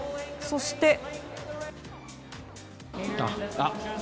そして。